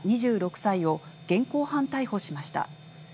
２６歳を、現行犯逮捕しました。